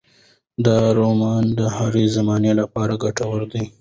دا رومان د هرې زمانې لپاره ګټور دی.